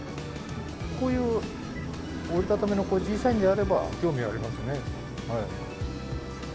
こういう折り畳みの小さいものであれば興味ありますね。